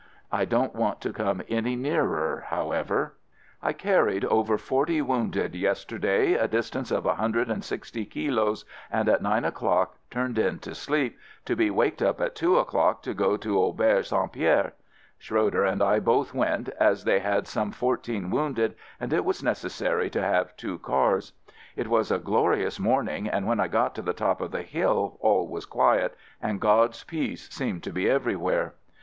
I don't want to come any nearer, however. PONT A MOUSSON HOUSE HIT BY A "210' FIELD SERVICE 51 I carried over forty wounded yesterday a distance of a hundred and sixty kilos and at nine o'clock turned in to sleep, to be waked up at two o'clock to go to Auberge St. Pierre. Schroeder and I both went, as they had some fourteen wounded and it was necessary to have two cars. It was a glorious morning, and when I got to the top of the hill all was quiet and God's peace seemed to be everywhere.